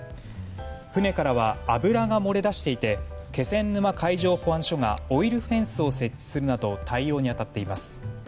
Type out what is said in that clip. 船からは油が漏れ出していて気仙沼海上保安署がオイルフェンスを設置するなど対応に当たっています。